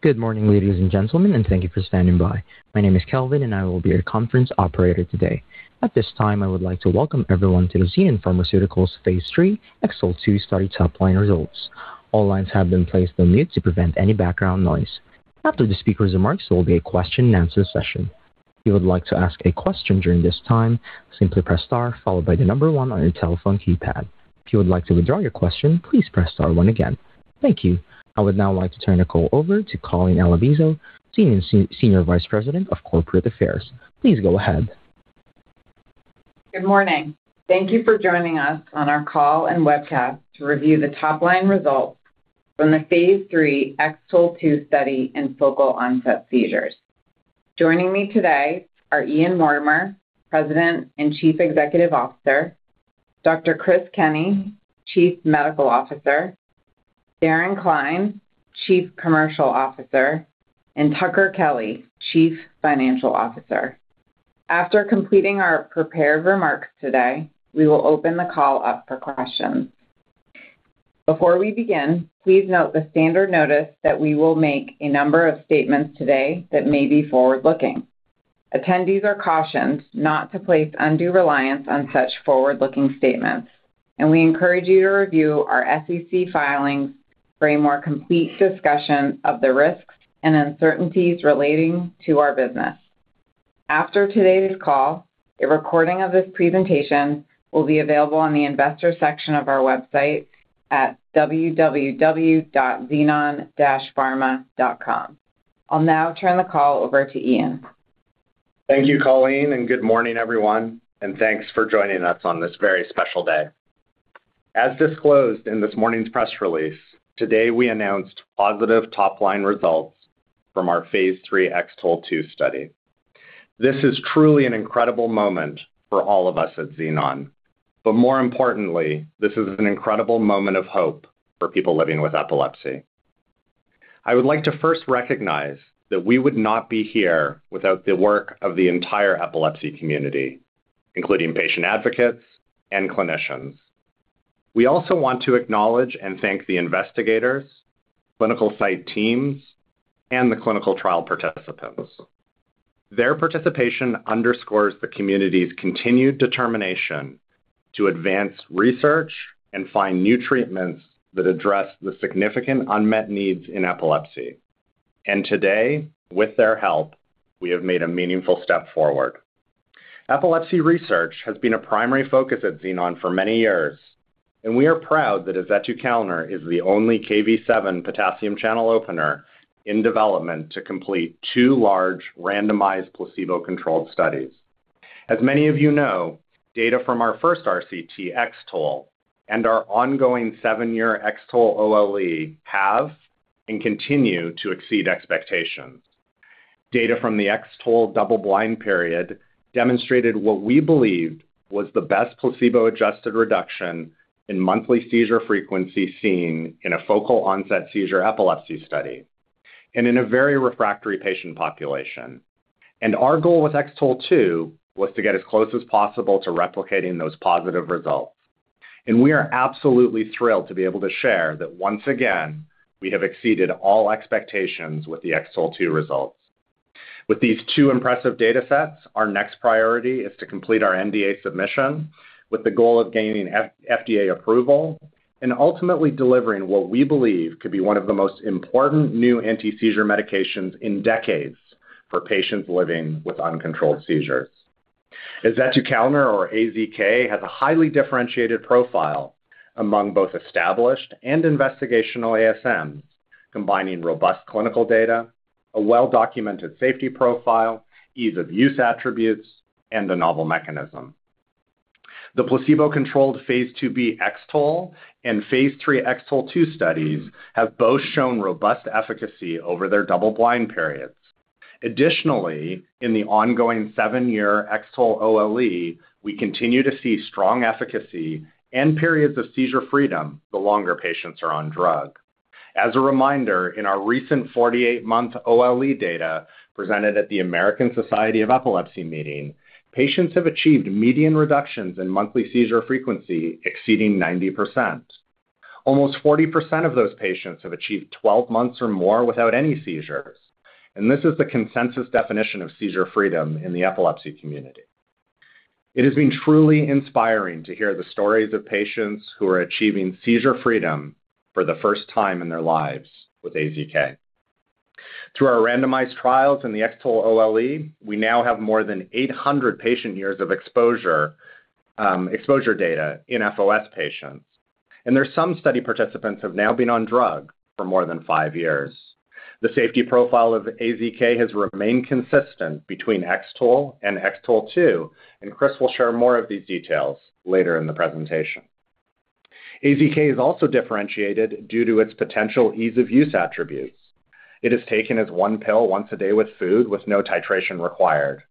Good morning, ladies and gentlemen, and thank you for standing by. My name is Kelvin, and I will be your conference operator today. At this time, I would like to welcome everyone to Xenon Pharmaceuticals Phase III X-TOLE2 Study Topline Results. All lines have been placed on mute to prevent any background noise. After the speakers' remarks, there will be a question and answer session. If you would like to ask a question during this time, simply press star followed by one on your telephone keypad. If you would like to withdraw your question, please press star one again. Thank you. I would now like to turn the call over to Colleen Alabiso, Senior Vice President of Corporate Affairs. Please go ahead. Good morning. Thank you for joining us on our call and webcast to review the Topline results from the phase III X-TOLE2 study in focal onset seizures. Joining me today are Ian Mortimer, President and Chief Executive Officer, Dr. Christopher Kenney, Chief Medical Officer, Darren Cline, Chief Commercial Officer, and Tucker Kelly, Chief Financial Officer. After completing our prepared remarks today, we will open the call up for questions. Before we begin, please note the standard notice that we will make a number of statements today that may be forward-looking. Attendees are cautioned not to place undue reliance on such forward-looking statements. We encourage you to review our SEC filings for a more complete discussion of the risks and uncertainties relating to our business. After today's call, a recording of this presentation will be available on the investor section of our website at www.xenon-pharma.com. I'll now turn the call over to Ian. Thank you, Colleen, and good morning, everyone, and thanks for joining us on this very special day. As disclosed in this morning's press release, today we announced positive Topline results from our phase III X-TOLE2 Study. This is truly an incredible moment for all of us at Xenon, but more importantly, this is an incredible moment of hope for people living with epilepsy. I would like to first recognize that we would not be here without the work of the entire epilepsy community, including patient advocates and clinicians. We also want to acknowledge and thank the investigators, clinical site teams, and the clinical trial participants. Their participation underscores the community's continued determination to advance research and find new treatments that address the significant unmet needs in epilepsy. Today, with their help, we have made a meaningful step forward. Epilepsy research has been a primary focus at Xenon for many years. We are proud that azetukalner is the only Kv7 potassium channel opener in development to complete two large randomized placebo-controlled studies. As many of you know, data from our first RCT X-TOLE and our ongoing seven-year X-TOLE OLE have and continue to exceed expectations. Data from the X-TOLE double-blind period demonstrated what we believed was the best placebo-adjusted reduction in monthly seizure frequency seen in a focal onset seizure epilepsy study and in a very refractory patient population. Our goal with X-TOLE2 was to get as close as possible to replicating those positive results. We are absolutely thrilled to be able to share that once again, we have exceeded all expectations with the X-TOLE2 results. With these two impressive data sets, our next priority is to complete our NDA submission with the goal of gaining FDA approval and ultimately delivering what we believe could be one of the most important new anti-seizure medications in decades for patients living with uncontrolled seizures. Azetukalner or AZK has a highly differentiated profile among both established and investigational ASMs, combining robust clinical data, a well-documented safety profile, ease-of-use attributes, and a novel mechanism. The placebo-controlled phase II-B X-TOLE and phase III X-TOLE2 studies have both shown robust efficacy over their double-blind periods. In the ongoing 7-year X-TOLE OLE, we continue to see strong efficacy and periods of seizure freedom the longer patients are on drug. As a reminder, in our recent 48-month OLE data presented at the American Epilepsy Society meeting, patients have achieved median reductions in monthly seizure frequency exceeding 90%. Almost 40% of those patients have achieved 12 months or more without any seizures. This is the consensus definition of seizure freedom in the epilepsy community. It has been truly inspiring to hear the stories of patients who are achieving seizure freedom for the first time in their lives with AZK. Through our randomized trials in the X-TOLE OLE, we now have more than 800 patient years of exposure data in FOS patients. There's some study participants have now been on drug for more than five years. The safety profile of AZK has remained consistent between X-TOLE and X-TOLE2. Chris will share more of these details later in the presentation. AZK is also differentiated due to its potential ease of use attributes. It is taken as one pill once a day with food with no titration required.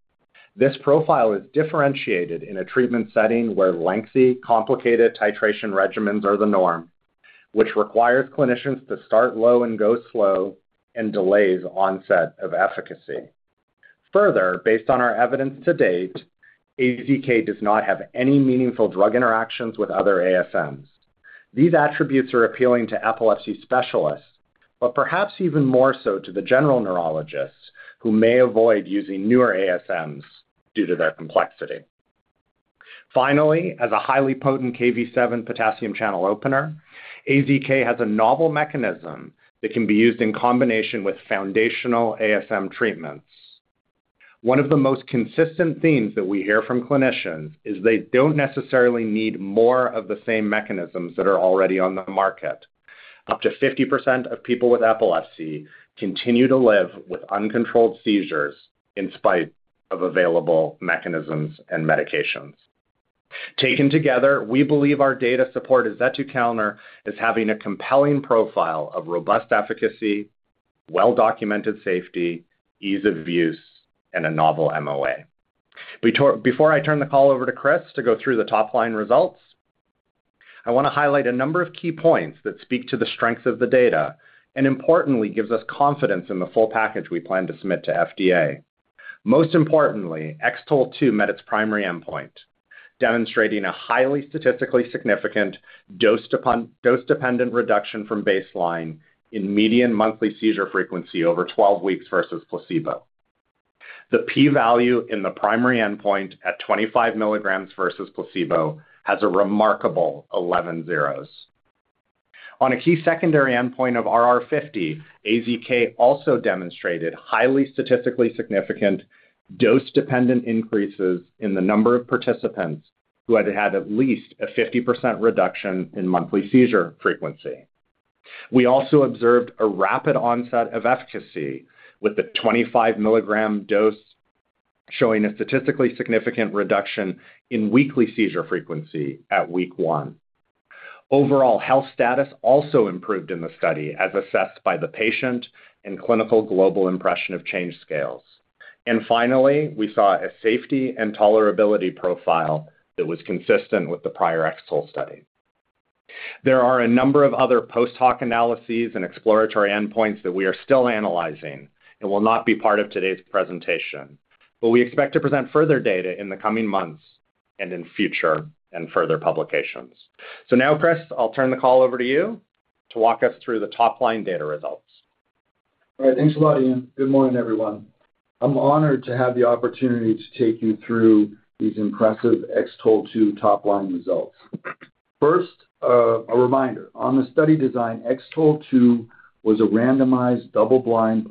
This profile is differentiated in a treatment setting where lengthy, complicated titration regimens are the norm, which requires clinicians to start low and go slow and delays onset of efficacy. Further, based on our evidence to date, AZK does not have any meaningful drug interactions with other ASMs. These attributes are appealing to epilepsy specialists, but perhaps even more so to the general neurologists who may avoid using newer ASMs due to their complexity. Finally, as a highly potent Kv7 potassium channel opener, AZK has a novel mechanism that can be used in combination with foundational ASM treatments. One of the most consistent themes that we hear from clinicians is they don't necessarily need more of the same mechanisms that are already on the market. Up to 50% of people with epilepsy continue to live with uncontrolled seizures in spite of available mechanisms and medications. Taken together, we believe our data support azetukalner as having a compelling profile of robust efficacy, well-documented safety, ease of use, and a novel MOA. Before I turn the call over to Chris to go through the Topline results, I want to highlight a number of key points that speak to the strength of the data and importantly gives us confidence in the full package we plan to submit to FDA. Most importantly, X-TOLE2 met its primary endpoint, demonstrating a highly statistically significant dose-dependent reduction from baseline in median monthly seizure frequency over 12 weeks versus placebo. The P value in the primary endpoint at 25 milligrams versus placebo has a remarkable 11 zeros. On a key secondary endpoint of RR50, AZK also demonstrated highly statistically significant dose-dependent increases in the number of participants who had at least a 50% reduction in monthly seizure frequency. We also observed a rapid onset of efficacy, with the 25 milligram dose showing a statistically significant reduction in weekly seizure frequency at week one. Overall health status also improved in the study as assessed by the patient and clinical global impression of change scales. Finally, we saw a safety and tolerability profile that was consistent with the prior X-TOLE Study. There are a number of other post-hoc analyses and exploratory endpoints that we are still analyzing and will not be part of today's presentation. We expect to present further data in the coming months and in future and further publications. Now, Chris, I'll turn the call over to you to walk us through the Topline data results. All right. Thanks a lot, Ian. Good morning, everyone. First, a reminder. On the study design, X-TOLE2 was a randomized, double-blind,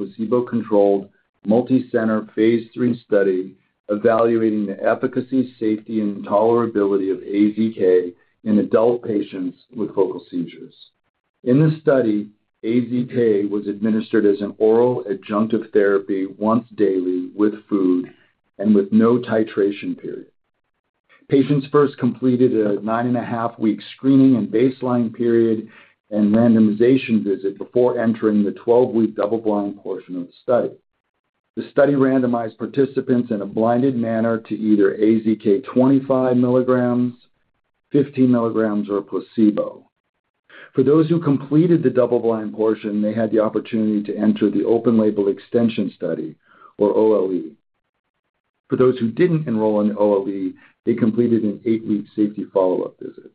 placebo-controlled, phase III study evaluating the efficacy, safety, and tolerability of AZK in adult patients with focal seizures. In this study, AZK was administered as an oral adjunctive therapy once daily with food and with no titration period. Patients first completed a 9.5-week screening and baseline period and randomization visit before entering the 12-week double-blind portion of the study. The study randomized participants in a blinded manner to either AZK 25 milligrams, 15 milligrams, or a placebo. For those who completed the double-blind portion, they had the opportunity to enter the open-label extension study or OLE. For those who didn't enroll in the OLE, they completed an eight-week safety follow-up visit.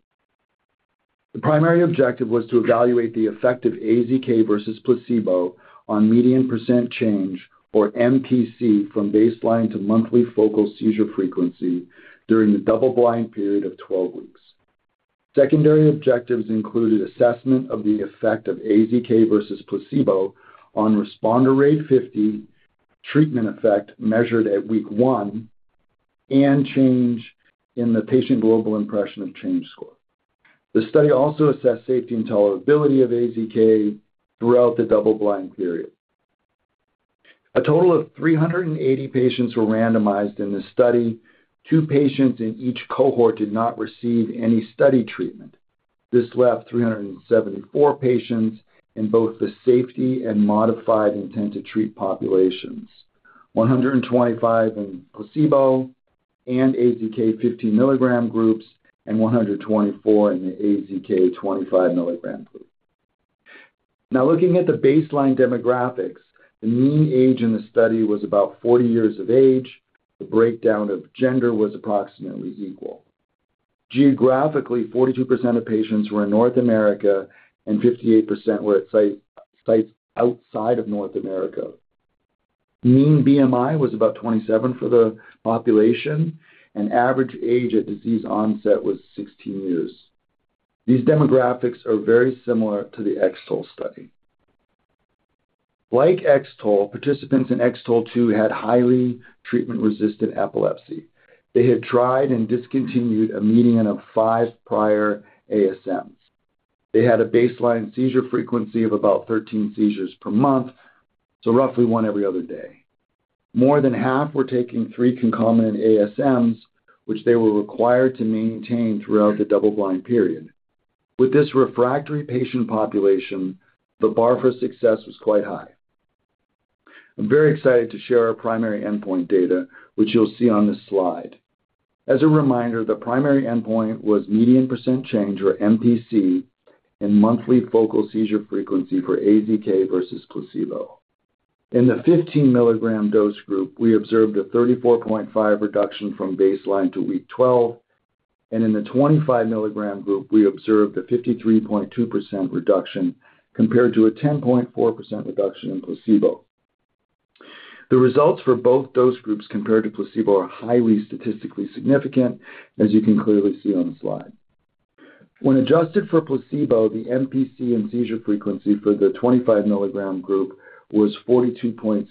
The primary objective was to evaluate the effect of AZK versus placebo on median percent change or MPC from baseline to monthly focal seizure frequency during the double-blind period of 12 weeks. Secondary objectives included assessment of the effect of AZK versus placebo on responder rate 50 treatment effect measured at week one and change in the patient global impression of change score. The study also assessed safety and tolerability of AZK throughout the double-blind period. A total of 380 patients were randomized in this study. Two patients in each cohort did not receive any study treatment. This left 374 patients in both the safety and modified intent-to-treat populations. 125 in placebo and AZK 50 milligram groups and 124 in the AZK 25 milligram group. Looking at the baseline demographics, the mean age in the study was about 40 years of age. The breakdown of gender was approximately equal. Geographically, 42% of patients were in North America and 58% were at sites outside of North America. Mean BMI was about 27 for the population, and average age at disease onset was 16 years. These demographics are very similar to the X-TOLE study. Like X-TOLE, participants in X-TOLE2 had highly treatment-resistant epilepsy. They had tried and discontinued a median of five prior ASMs. They had a baseline seizure frequency of about 13 seizures per month, so roughly one every other day. More than half were taking three concomitant ASMs, which they were required to maintain throughout the double-blind period. With this refractory patient population, the bar for success was quite high. I'm very excited to share our primary endpoint data, which you'll see on this slide. As a reminder, the primary endpoint was median percent change, or MPC, in monthly focal seizure frequency for AZK versus placebo. In the 15 milligram dose group, we observed a 34.5 reduction from baseline to week 12, and in the 25 milligram group, we observed a 53.2% reduction compared to a 10.4% reduction in placebo. The results for both dose groups compared to placebo are highly statistically significant, as you can clearly see on the slide. When adjusted for placebo, the MPC and seizure frequency for the 25 milligram group was 42.7%.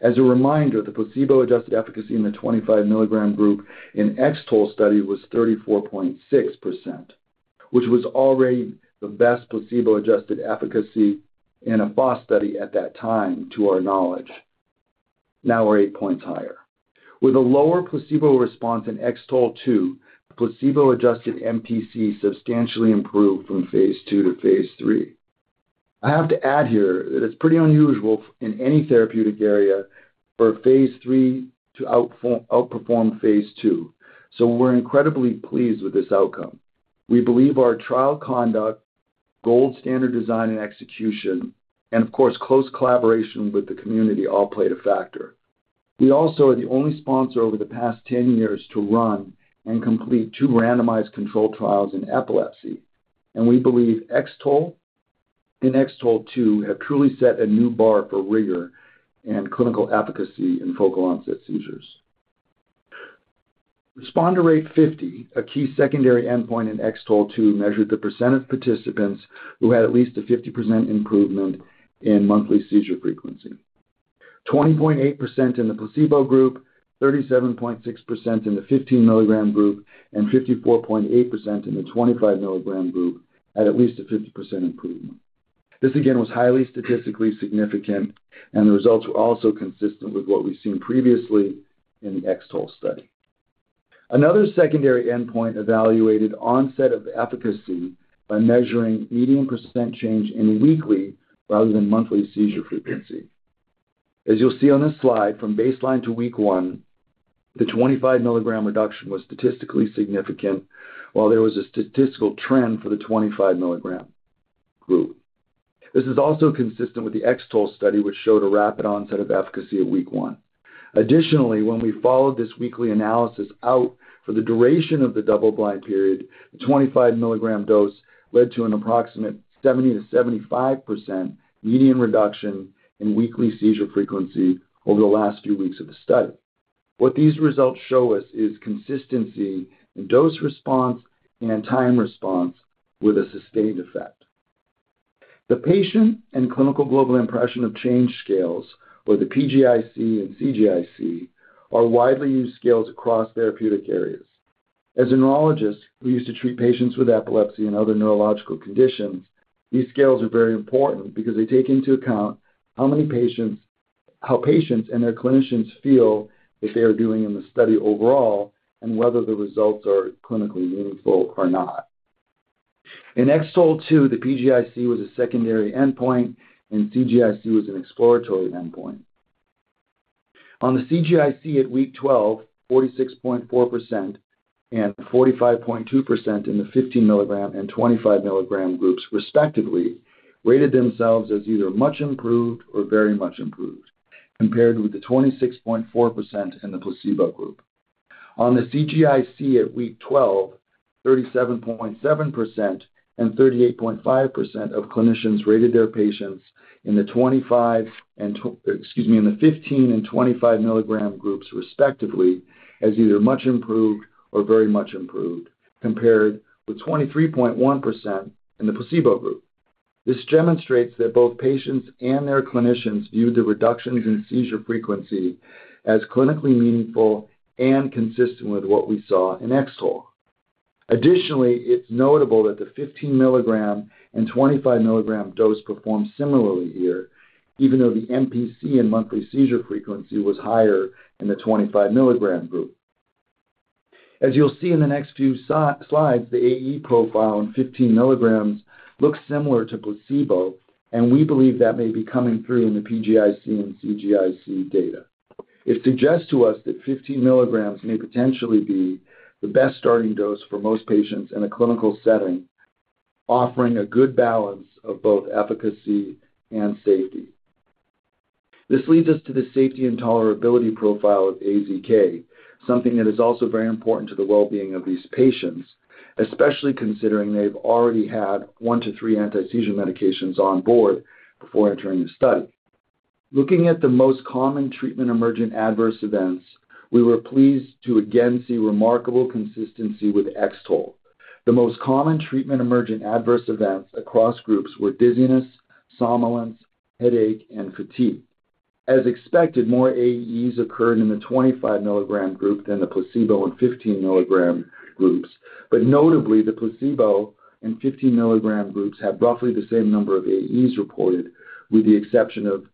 As a reminder, the placebo-adjusted efficacy in the 25 mg group in X-TOLE study was 34.6%, which was already the best placebo-adjusted efficacy in a FOS study at that time, to our knowledge. Now we're eight points higher. With a lower placebo response in X-TOLE2, the placebo-adjusted MPC substantially improved from phase II to phase III. I have to add here that it's pretty unusual in any therapeutic area for phase III to outperform phase II. We're incredibly pleased with this outcome. We believe our trial conduct, gold standard design and execution, and of course, close collaboration with the community all played a factor. We also are the only sponsor over the past 10 years to run and complete two randomized controlled trials in epilepsy, and we believe X-TOLE and X-TOLE2 have truly set a new bar for rigor and clinical efficacy in focal onset seizures. RR50, a key secondary endpoint in X-TOLE2, measured the percent of participants who had at least a 50% improvement in monthly seizure frequency. 20.8% in the placebo group, 37.6% in the 15 mg group, and 54.8% in the 25 mg group had at least a 50% improvement. This, again, was highly statistically significant, the results were also consistent with what we've seen previously in the X-TOLE study. Another secondary endpoint evaluated onset of efficacy by measuring median % change in weekly rather than monthly seizure frequency. As you'll see on this slide, from baseline to week one, the 25 mg reduction was statistically significant while there was a statistical trend for the 25 mg group. This is also consistent with the X-TOLE study, which showed a rapid onset of efficacy at week one. Additionally, when we followed this weekly analysis out for the duration of the double-blind period, the 25 milligram dose led to an approximate 70%-75% median reduction in weekly seizure frequency over the last few weeks of the study. What these results show us is consistency in dose response and time response with a sustained effect. The Patient and Clinical Global Impression of Change scales, or the PGIC and CGIC, are widely used scales across therapeutic areas. As neurologists, we used to treat patients with epilepsy and other neurological conditions. These scales are very important because they take into account how patients and their clinicians feel that they are doing in the study overall and whether the results are clinically meaningful or not. In X-TOLE2, the PGIC was a secondary endpoint and CGIC was an exploratory endpoint. On the CGIC at week 12, 46.4% and 45.2% in the 15 milligram and 25 milligram groups, respectively, rated themselves as either much improved or very much improved, compared with the 26.4% in the placebo group. On the CGIC at week 12, 37.7% and 38.5% of clinicians rated their patients in the 25 and excuse me, in the 15 and 25 milligram groups, respectively, as either much improved or very much improved, compared with 23.1% in the placebo group. This demonstrates that both patients and their clinicians viewed the reductions in seizure frequency as clinically meaningful and consistent with what we saw in X-TOLE. Additionally, it's notable that the 15 milligram and 25 milligram dose performed similarly here, even though the MPC in monthly seizure frequency was higher in the 25 milligram group. As you'll see in the next few slides, the AE profile in 15 milligrams looks similar to placebo, and we believe that may be coming through in the PGIC and CGIC data. It suggests to us that 15 milligrams may potentially be the best starting dose for most patients in a clinical setting, offering a good balance of both efficacy and safety. This leads us to the safety and tolerability profile of AZK, something that is also very important to the well-being of these patients, especially considering they've already had one to three anti-seizure medications on board before entering the study. Looking at the most common treatment-emergent adverse events, we were pleased to again see remarkable consistency with X-TOLE. The most common treatment-emergent adverse events across groups were dizziness, somnolence, headache, and fatigue. As expected, more AEs occurred in the 25 milligram group than the placebo and 15 milligram groups. Notably, the placebo and 15 milligram groups had roughly the same number of AEs reported, with the exception of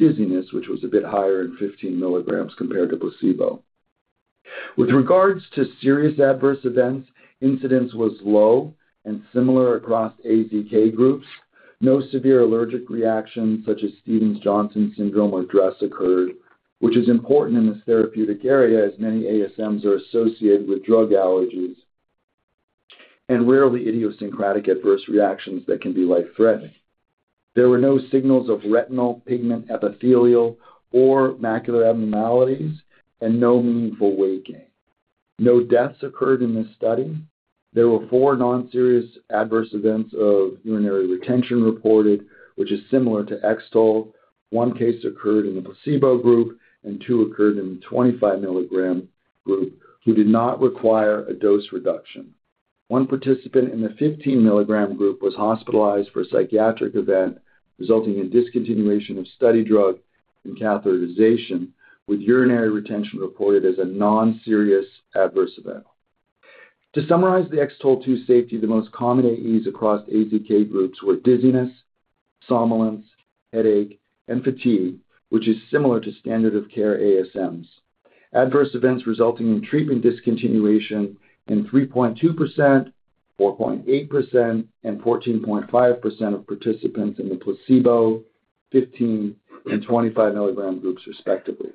dizziness, which was a bit higher in 15 milligrams compared to placebo. With regards to serious adverse events, incidence was low and similar across AZK groups. No severe allergic reactions such as Stevens-Johnson syndrome or DRESS occurred, which is important in this therapeutic area as many ASMs are associated with drug allergies and rarely idiosyncratic adverse reactions that can be life-threatening. There were no signals of retinal pigment epithelial or macular abnormalities and no meaningful weight gain. No deaths occurred in this study. There were four non-serious adverse events of urinary retention reported, which is similar to X-TOLE. One case occurred in the placebo group. Two occurred in the 25 milligram group, who did not require a dose reduction. One participant in the 15 milligram group was hospitalized for a psychiatric event, resulting in discontinuation of study drug and catheterization, with urinary retention reported as a non-serious adverse event. To summarize the X-TOLE-2 safety, the most common AEs across AZK groups were dizziness, somnolence, headache, and fatigue, which is similar to standard of care ASMs. Adverse events resulting in treatment discontinuation in 3.2%, 4.8%, and 14.5% of participants in the placebo, 15, and 25 milligram groups, respectively.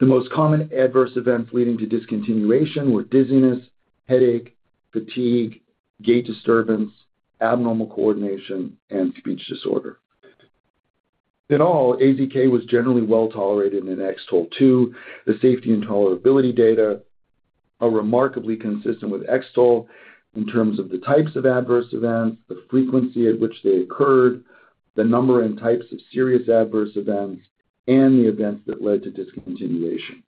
The most common adverse events leading to discontinuation were dizziness, headache, fatigue, gait disturbance, abnormal coordination, and speech disorder. AZK was generally well-tolerated in X-TOLE-2. The safety and tolerability data are remarkably consistent with X-TOLE in terms of the types of adverse events, the frequency at which they occurred, the number and types of serious adverse events, and the events that led to discontinuation.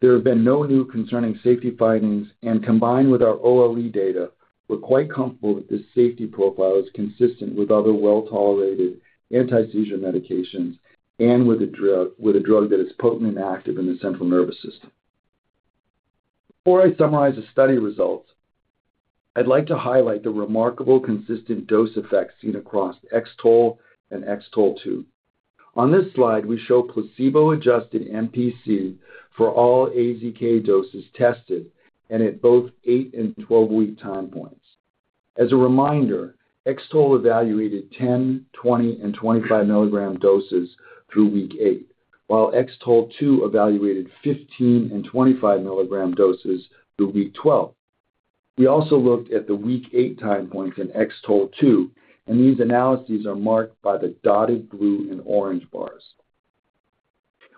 There have been no new concerning safety findings, and combined with our OLE data, we're quite comfortable that this safety profile is consistent with other well-tolerated anti-seizure medications and with a drug that is potently active in the central nervous system. Before I summarize the study results, I'd like to highlight the remarkable consistent dose effects seen across X-TOLE and X-TOLE2. On this slide, we show placebo-adjusted MPC for all AZK doses tested and at both eight and 12-week time points. As a reminder, X-TOLE evaluated 10, 20, and 25 milligram doses through week 8, while X-TOLE2 evaluated 15 and 25 milligram doses through week 12. We also looked at the week eight time points in X-TOLE2. These analyses are marked by the dotted blue and orange bars.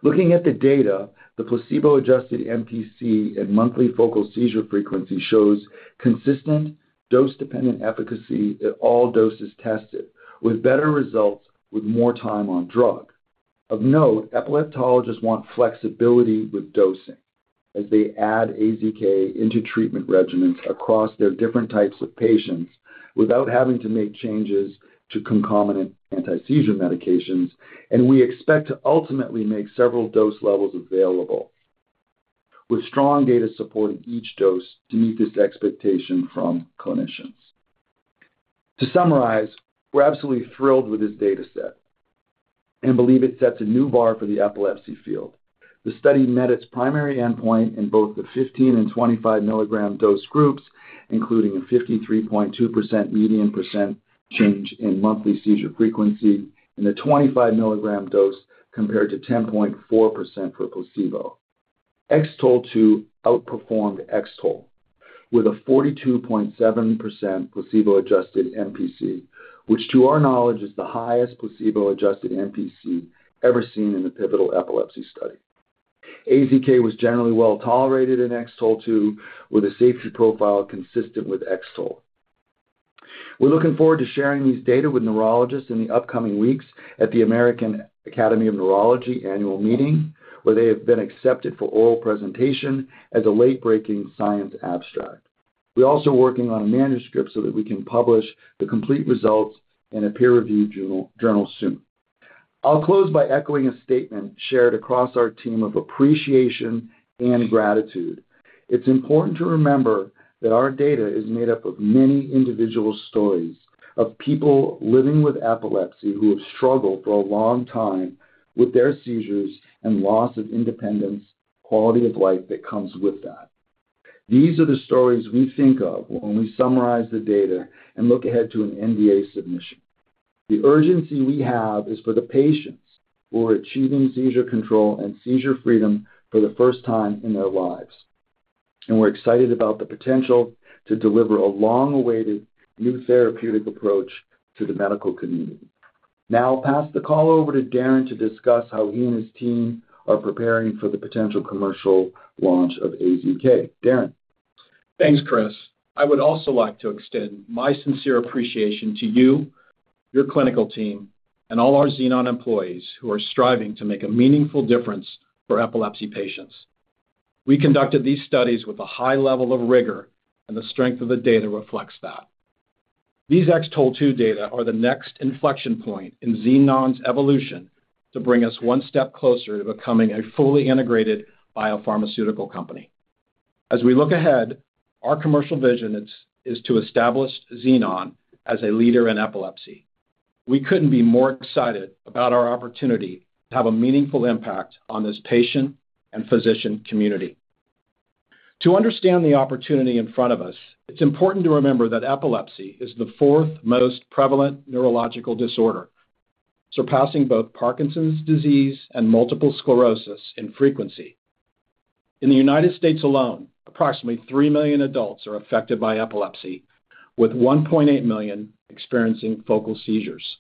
Looking at the data, the placebo-adjusted MPC and monthly focal seizure frequency shows consistent dose-dependent efficacy at all doses tested, with better results with more time on drug. Of note, epileptologists want flexibility with dosing as they add AZK into treatment regimens across their different types of patients without having to make changes to concomitant anti-seizure medications. We expect to ultimately make several dose levels available with strong data supporting each dose to meet this expectation from clinicians. To summarize, we're absolutely thrilled with this data set and believe it sets a new bar for the epilepsy field. The study met its primary endpoint in both the 15 and 25 milligram dose groups, including a 53.2% median percent change in monthly seizure frequency in the 25 milligram dose compared to 10.4% for placebo. X-TOLE2 outperformed X-TOLE with a 42.7% placebo-adjusted MPC, which to our knowledge is the highest placebo-adjusted MPC ever seen in a pivotal epilepsy study. AZK was generally well-tolerated in X-TOLE2, with a safety profile consistent with X-TOLE. We're looking forward to sharing these data with neurologists in the upcoming weeks at the American Academy of Neurology Annual Meeting, where they have been accepted for oral presentation as a late-breaking science abstract. We're also working on a manuscript so that we can publish the complete results in a peer-reviewed journal soon. I'll close by echoing a statement shared across our team of appreciation and gratitude. It's important to remember that our data is made up of many individual stories of people living with epilepsy who have struggled for a long time with their seizures and loss of independence, quality of life that comes with that. These are the stories we think of when we summarize the data and look ahead to an NDA submission. The urgency we have is for the patients who are achieving seizure control and seizure freedom for the first time in their lives. We're excited about the potential to deliver a long-awaited new therapeutic approach to the medical community. Now I'll pass the call over to Darren to discuss how he and his team are preparing for the potential commercial launch of AZK. Darren? Thanks, Chris. I would also like to extend my sincere appreciation to you, your clinical team, and all our Xenon employees who are striving to make a meaningful difference for epilepsy patients. We conducted these studies with a high level of rigor, and the strength of the data reflects that. These X-TOLE2 data are the next inflection point in Xenon's evolution to bring us one step closer to becoming a fully integrated biopharmaceutical company. As we look ahead, our commercial vision is to establish Xenon as a leader in epilepsy. We couldn't be more excited about our opportunity to have a meaningful impact on this patient and physician community. To understand the opportunity in front of us, it's important to remember that epilepsy is the 4th most prevalent neurological disorder, surpassing both Parkinson's disease and multiple sclerosis in frequency. In the United States alone, approximately 3 million adults are affected by epilepsy, with 1.8 million experiencing focal seizures.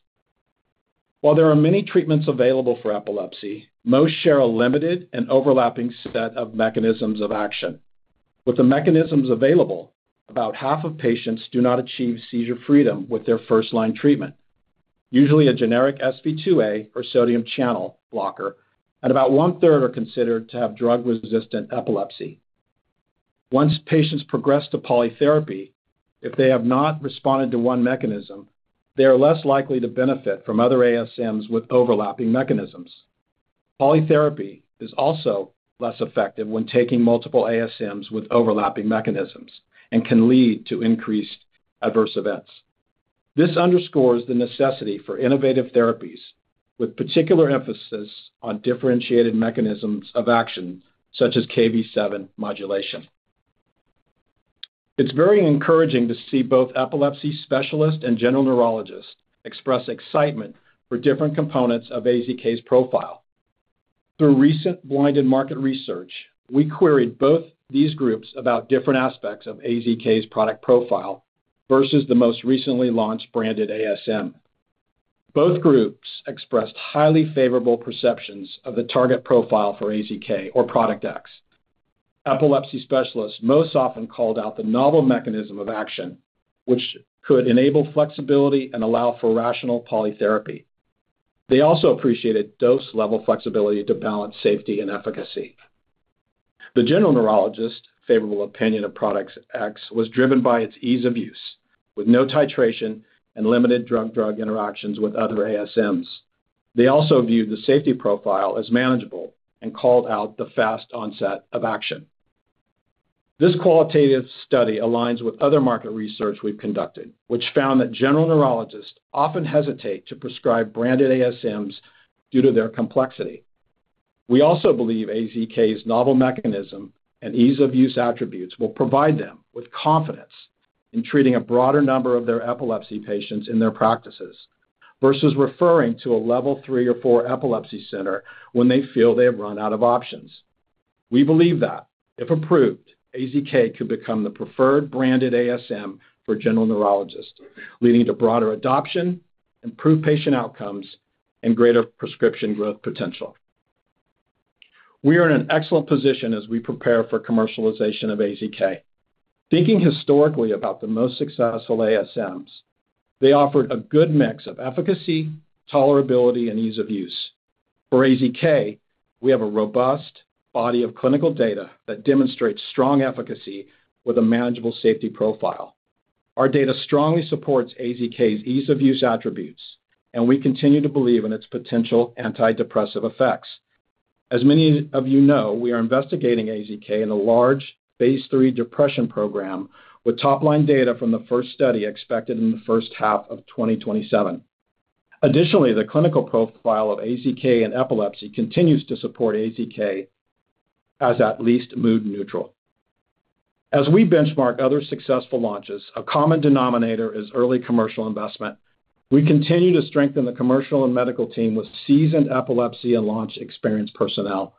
While there are many treatments available for epilepsy, most share a limited and overlapping set of mechanisms of action. With the mechanisms available, about half of patients do not achieve seizure freedom with their first-line treatment, usually a generic SV2A or sodium channel blocker, and about one-third are considered to have drug-resistant epilepsy. Once patients progress to polytherapy, if they have not responded to one mechanism, they are less likely to benefit from other ASMs with overlapping mechanisms. Polytherapy is also less effective when taking multiple ASMs with overlapping mechanisms and can lead to increased adverse events. This underscores the necessity for innovative therapies, with particular emphasis on differentiated mechanisms of action, such as Kv7 modulation. It's very encouraging to see both epilepsy specialists and general neurologists express excitement for different components of AZK's profile. Through recent blinded market research, we queried both these groups about different aspects of AZK's product profile versus the most recently launched branded ASM. Both groups expressed highly favorable perceptions of the target profile for AZK or product X. Epilepsy specialists most often called out the novel mechanism of action, which could enable flexibility and allow for rational polytherapy. They also appreciated dose-level flexibility to balance safety and efficacy. The general neurologist's favorable opinion of product X was driven by its ease of use, with no titration and limited drug-drug interactions with other ASMs. They also viewed the safety profile as manageable and called out the fast onset of action. This qualitative study aligns with other market research we've conducted, which found that general neurologists often hesitate to prescribe branded ASMs due to their complexity. We also believe AZK's novel mechanism and ease-of-use attributes will provide them with confidence in treating a broader number of their epilepsy patients in their practices versus referring to a level three or four epilepsy center when they feel they have run out of options. We believe that if approved, AZK could become the preferred branded ASM for general neurologists, leading to broader adoption, improved patient outcomes, and greater prescription growth potential. We are in an excellent position as we prepare for commercialization of AZK. Thinking historically about the most successful ASMs, they offered a good mix of efficacy, tolerability, and ease of use. For AZK, we have a robust body of clinical data that demonstrates strong efficacy with a manageable safety profile. Our data strongly supports AZK's ease-of-use attributes, and we continue to believe in its potential antidepressive effects. As many of you know, we are investigating AZK in a large phase III depression program with Topline data from the first study expected in the first half of 2027. Additionally, the clinical profile of AZK and epilepsy continues to support AZK as at least mood neutral. As we benchmark other successful launches, a common denominator is early commercial investment. We continue to strengthen the commercial and medical team with seasoned epilepsy and launch experienced personnel.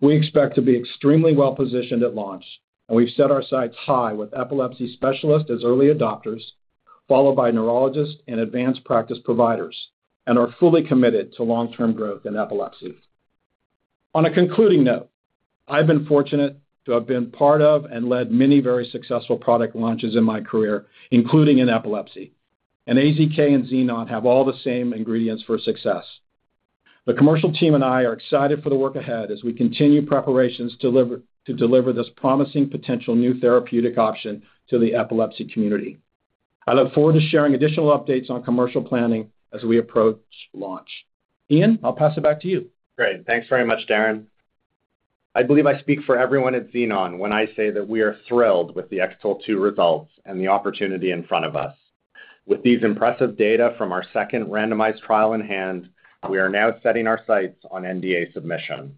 We expect to be extremely well-positioned at launch, and we've set our sights high with epilepsy specialists as early adopters, followed by neurologists and advanced practice providers, and are fully committed to long-term growth in epilepsy. On a concluding note, I've been fortunate to have been part of and led many very successful product launches in my career, including in epilepsy. AZK and Xenon have all the same ingredients for success. The commercial team and I are excited for the work ahead as we continue preparations to deliver this promising potential new therapeutic option to the epilepsy community. I look forward to sharing additional updates on commercial planning as we approach launch. Ian, I'll pass it back to you. Great. Thanks very much, Darren. I believe I speak for everyone at Xenon when I say that we are thrilled with the X-TOLE2 results and the opportunity in front of us. With these impressive data from our second randomized trial in hand, we are now setting our sights on NDA submission.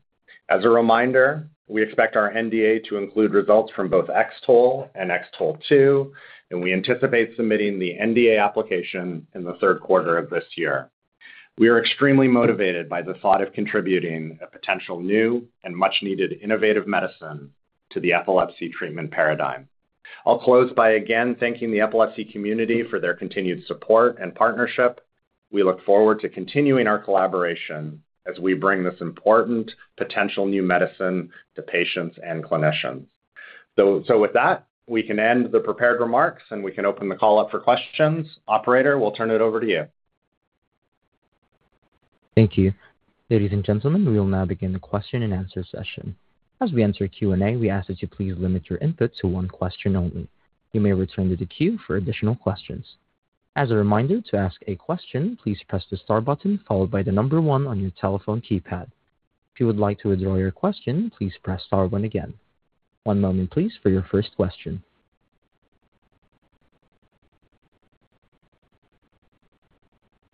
As a reminder, we expect our NDA to include results from both X-TOLE and X-TOLE2, and we anticipate submitting the NDA application in the third quarter of this year. We are extremely motivated by the thought of contributing a potential new and much-needed innovative medicine to the epilepsy treatment paradigm. I'll close by again thanking the epilepsy community for their continued support and partnership. We look forward to continuing our collaboration as we bring this important potential new medicine to patients and clinicians. With that, we can end the prepared remarks, and we can open the call up for questions. Operator, we'll turn it over to you. Thank you. Ladies and gentlemen, we will now begin the question-and-answer session. As we enter Q&A, we ask that you please limit your input to one question only. You may return to the queue for additional questions. As a reminder, to ask a question, please press the star button followed by the number one on your telephone keypad. If you would like to withdraw your question, please press star one again. One moment please for your first question.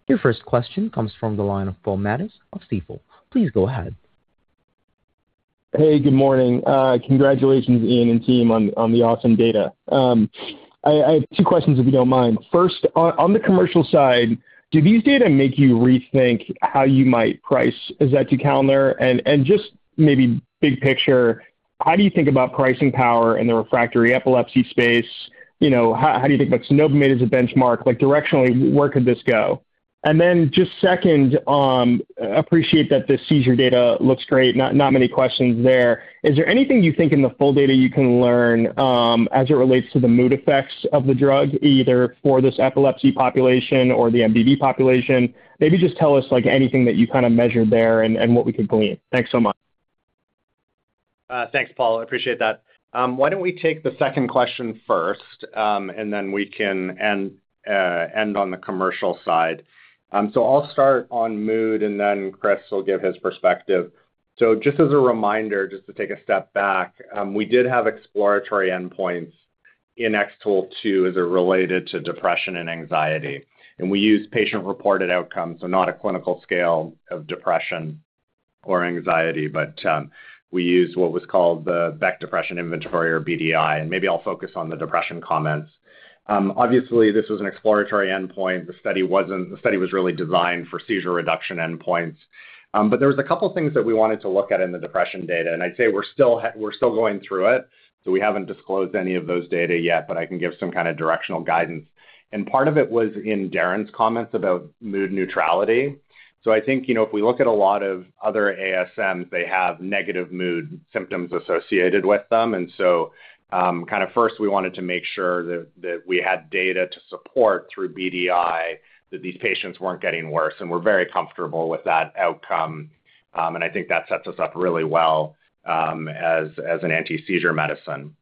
Your first question comes from the line of Paul Matteis of Stifel. Please go ahead. Hey, good morning. Congratulations, Ian and team on the awesome data. I have two questions, if you don't mind. First, on the commercial side, do these data make you rethink how you might price azetukalner and just maybe big picture, how do you think about pricing power in the refractory epilepsy space? You know, how do you think about cenobamate as a benchmark? Like directionally, where could this go? Just second, appreciate that the seizure data looks great. Not many questions there. Is there anything you think in the full data you can learn as it relates to the mood effects of the drug, either for this epilepsy population or the MDD population? Maybe just tell us like anything that you kind of measured there and what we could glean. Thanks so much. Thanks, Paul. I appreciate that. Why don't we take the second question first, and then we can end on the commercial side. I'll start on mood, and then Chris will give his perspective. Just as a reminder, just to take a step back, we did have exploratory endpoints in X-TOLE2 as it related to depression and anxiety. We used patient-reported outcomes, so not a clinical scale of depression or anxiety, but, we used what was called the Beck Depression Inventory or BDI, and maybe I'll focus on the depression comments. Obviously, this was an exploratory endpoint. The study was really designed for seizure reduction endpoints. There was a couple of things that we wanted to look at in the depression data, I'd say we're still going through it, so we haven't disclosed any of those data yet, but I can give some kind of directional guidance. Part of it was in Darren's comments about mood neutrality. I think, you know, if we look at a lot of other ASMs, they have negative mood symptoms associated with them. First we wanted to make sure that we had data to support through BDI that these patients weren't getting worse. We're very comfortable with that outcome, and I think that sets us up really well as an anti-seizure medicine.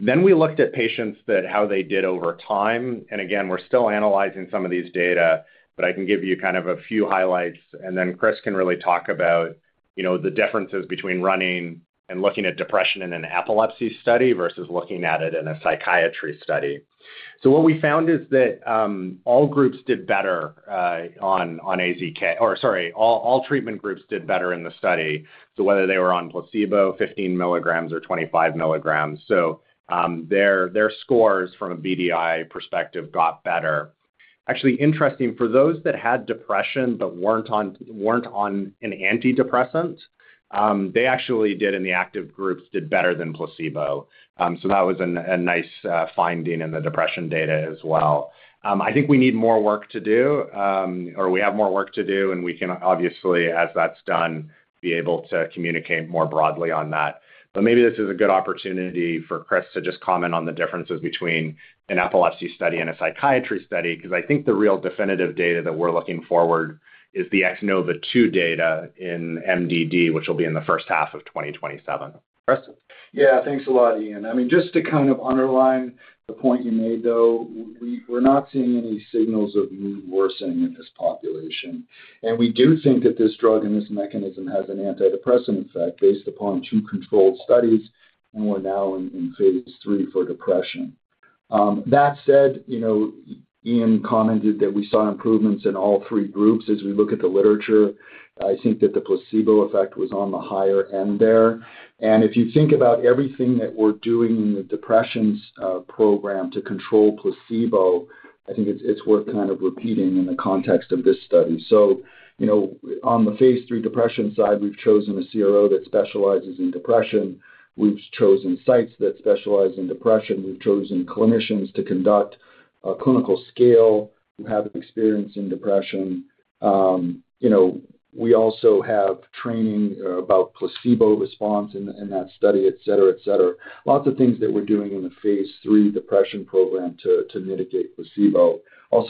We looked at patients that how they did over time. Again, we're still analyzing some of these data, but I can give you kind of a few highlights, and then Chris can really talk about, you know, the differences between running and looking at depression in an epilepsy study versus looking at it in a psychiatry study. What we found is that all groups did better on AZK or sorry, all treatment groups did better in the study. Whether they were on placebo, 15 milligrams or 25 milligrams. Their scores from a BDI perspective got better. Actually interesting, for those that had depression but weren't on, weren't on an antidepressant, they actually did in the active groups did better than placebo. That was a nice finding in the depression data as well. I think we need more work to do, or we have more work to do, and we can obviously, as that's done, be able to communicate more broadly on that. Maybe this is a good opportunity for Chris to just comment on the differences between an epilepsy study and a psychiatry study, 'cause I think the real definitive data that we're looking forward is the X-NOVA2 data in MDD, which will be in the first half of 2027. Chris. Yeah. Thanks a lot, Ian. I mean, just to kind of underline the point you made, though, we're not seeing any signals of mood worsening in this population. We do think that this drug and this mechanism has an antidepressant effect based upon two controlled studies, and we're now in phase III for depression. That said, you know, Ian commented that we saw improvements in all three groups. As we look at the literature, I think that the placebo effect was on the higher end there. If you think about everything that we're doing in the depressions program to control placebo, I think it's worth kind of repeating in the context of this study. You know, on the phase III depression side, we've chosen a CRO that specializes in depression. We've chosen sites that specialize in depression. We've chosen clinicians to conduct a clinical scale who have experience in depression. you know, we also have training about placebo response in that study, et cetera, et cetera. Lots of things that we're doing in the phase III depression program to mitigate placebo.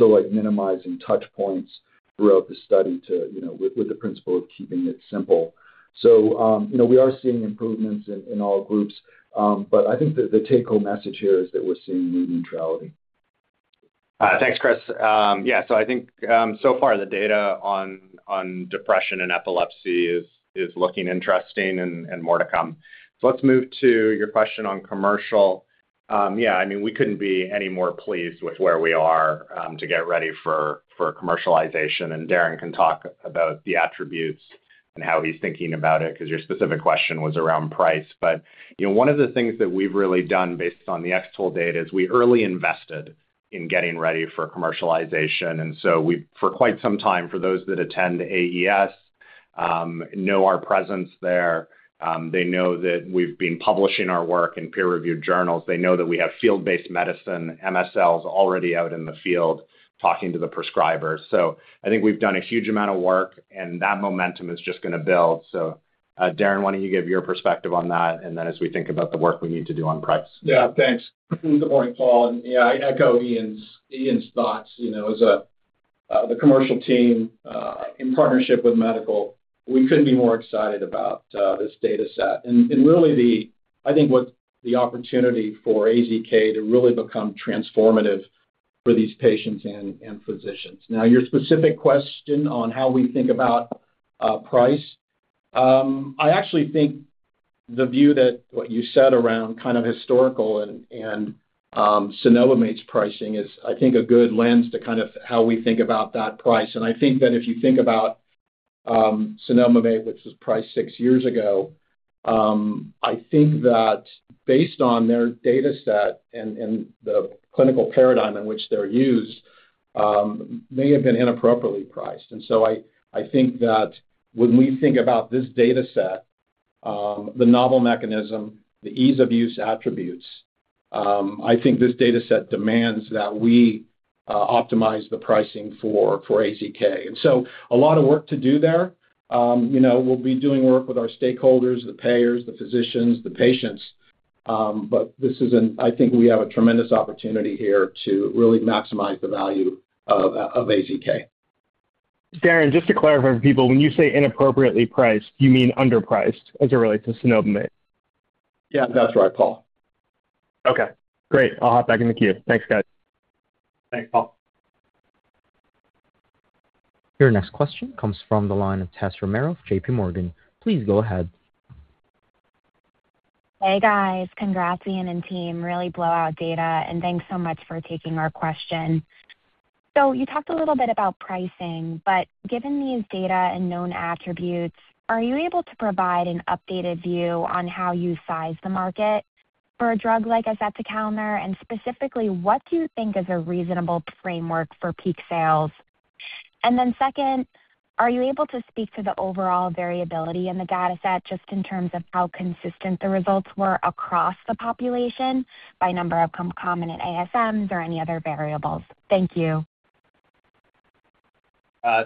like minimizing touch points throughout the study to, you know, with the principle of keeping it simple. you know, we are seeing improvements in all groups. I think the take-home message here is that we're seeing mood neutrality. Thanks, Chris. Yeah. I think, so far the data on depression and epilepsy is looking interesting and more to come. Let's move to your question on commercial. Yeah, I mean, we couldn't be any more pleased with where we are to get ready for commercialization. Darren can talk about the attributes and how he's thinking about it 'cause your specific question was around price. You know, one of the things that we've really done based on the X-TOLE data is we early invested in getting ready for commercialization. We've for quite some time, for those that attend AES, know our presence there. They know that we've been publishing our work in peer-reviewed journals. They know that we have field-based medicine, MSLs already out in the field talking to the prescribers. I think we've done a huge amount of work, and that momentum is just gonna build. Darren, why don't you give your perspective on that, and then as we think about the work we need to do on price. Yeah. Thanks. Good morning Paul, and yeah, I echo Ian's thoughts. You know, as a commercial team, in partnership with medical, we couldn't be more excited about this dataset. Really I think what the opportunity for AZK to really become transformative for these patients and physicians. Now, your specific question on how we think about price. The view that what you said around kind of historical and cenobamate's pricing is I think a good lens to kind of how we think about that price. I think that if you think about cenobamate, which was priced 6 years ago, I think that based on their dataset and the clinical paradigm in which they're used, may have been inappropriately priced. I think that when we think about this dataset, the novel mechanism, the ease-of-use attributes, I think this dataset demands that we optimize the pricing for AZK. A lot of work to do there. You know, we'll be doing work with our stakeholders, the payers, the physicians, the patients. This is an I think we have a tremendous opportunity here to really maximize the value of AZK. Darren, just to clarify for people, when you say inappropriately priced, you mean underpriced as it relates to cenobamate? Yeah, that's right, Paul. Okay, great. I'll hop back in the queue. Thanks, guys. Thanks, Paul. Your next question comes from the li`ne of Tess Romero of J.P. Morgan. Please go ahead. Hey, guys. Congrats, Ian and team. Really blowout data. Thanks so much for taking our question. You talked a little bit about pricing, but given these data and known attributes, are you able to provide an updated view on how you size the market for a drug like azetukalner? Specifically, what do you think is a reasonable framework for peak sales? Second, are you able to speak to the overall variability in the dataset just in terms of how consistent the results were across the population by number of concomitant ASMs or any other variables? Thank you.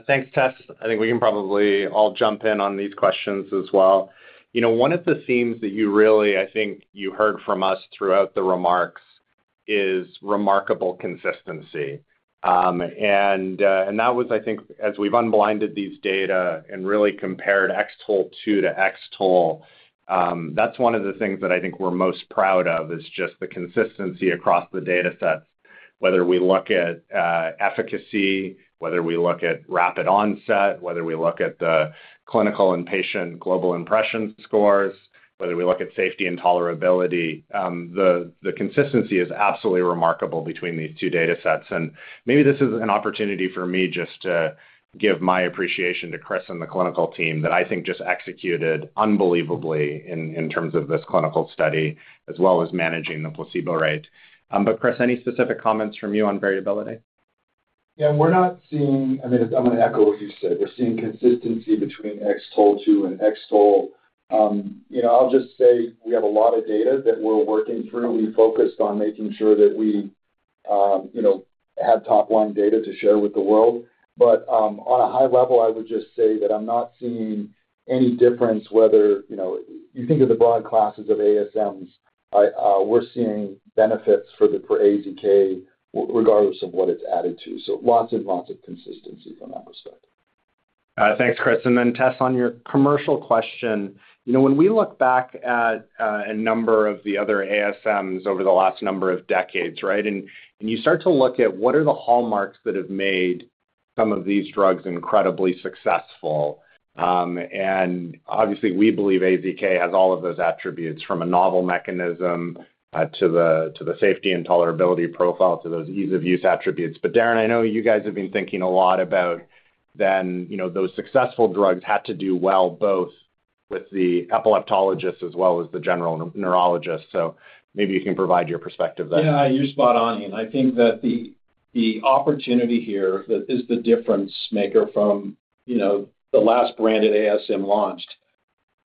Thanks, Tess. I think we can probably all jump in on these questions as well. You know, one of the themes that I think you heard from us throughout the remarks is remarkable consistency. And that was, I think, as we've unblinded these data and really compared X-TOLE2 to X-TOLE, that's one of the things that I think we're most proud of is just the consistency across the datasets. Whether we look at efficacy, whether we look at rapid onset, whether we look at the clinical and patient global impression scores, whether we look at safety and tolerability, the consistency is absolutely remarkable between these two datasets. Maybe this is an opportunity for me just to give my appreciation to Chris and the clinical team that I think just executed unbelievably in terms of this clinical study as well as managing the placebo rate. Chris, any specific comments from you on variability? Yeah. We're not seeing... I mean, I'm gonna echo what you said. We're seeing consistency between X-TOLE2 and X-TOLE. You know, I'll just say we have a lot of data that we're working through. We focused on making sure that we, you know, had Topline data to share with the world. On a high level, I would just say that I'm not seeing any difference whether, you know... You think of the broad classes of ASMs, I, we're seeing benefits for AZK regardless of what it's added to. Lots and lots of consistency from that perspective. Thanks, Chris. Then Tess, on your commercial question, you know, when we look back at a number of the other ASMs over the last number of decades, right? And you start to look at what are the hallmarks that have made some of these drugs incredibly successful. And obviously we believe AZK has all of those attributes from a novel mechanism, to the safety and tolerability profile, to those ease-of-use attributes. Darren, I know you guys have been thinking a lot about then, you know, those successful drugs had to do well both with the epileptologists as well as the general neurologists. Maybe you can provide your perspective there. Yeah, you're spot on, Ian. I think that the opportunity here that is the difference maker from, you know, the last branded ASM launched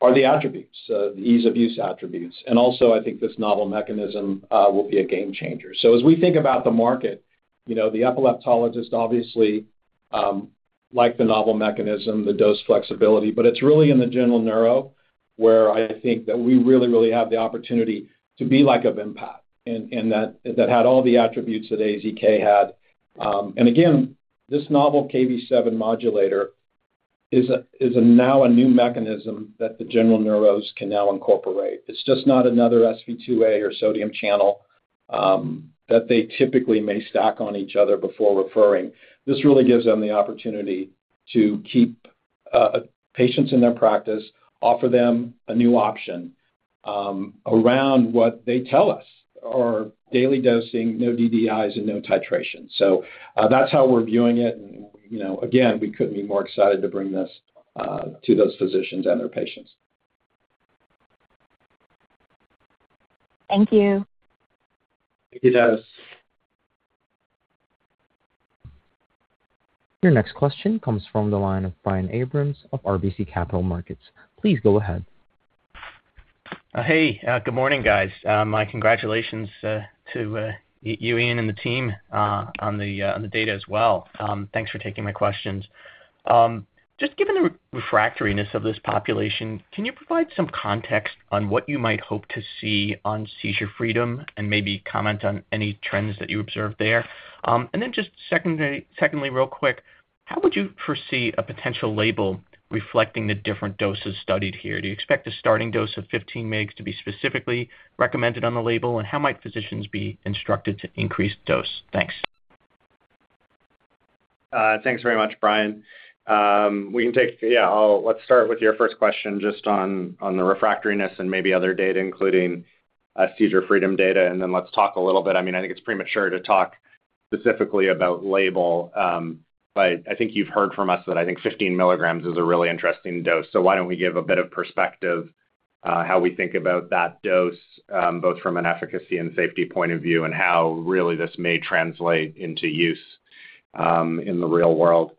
are the attributes, the ease of use attributes. I think this novel mechanism will be a game changer. As we think about the market, you know, the epileptologist obviously like the novel mechanism, the dose flexibility, but it's really in the general neuro where I think that we really have the opportunity to be like of impact and that had all the attributes that AZK had. This novel Kv7 modulator is a now a new mechanism that the general neuros can now incorporate. It's just not another SV2A or sodium channel that they typically may stack on each other before referring. This really gives them the opportunity to keep patients in their practice, offer them a new option, around what they tell us are daily dosing, no DDIs, and no titration. That's how we're viewing it. You know, again, we couldn't be more excited to bring this to those physicians and their patients. Thank you. Thank you, Tess. Your next question comes from the line of Brian Abrahams of RBC Capital Markets. Please go ahead. Hey, good morning, guys. My congratulations to you, Ian, and the team on the data as well. Thanks for taking my questions. Just given the refractoriness of this population, can you provide some context on what you might hope to see on Seizure Freedom and maybe comment on any trends that you observed there? Just secondly, real quick, how would you foresee a potential label reflecting the different doses studied here? Do you expect a starting dose of 15 mgs to be specifically recommended on the label, and how might physicians be instructed to increase dose? Thanks. Thanks very much, Brian. Let's start with your first question just on the refractoriness and maybe other data, including seizure freedom data. Then let's talk a little bit. I mean, I think it's premature to talk specifically about label. I think you've heard from us that I think 15 milligrams is a really interesting dose. Why don't we give a bit of perspective on how we think about that dose, both from an efficacy and safety point of view and how really this may translate into use in the real world.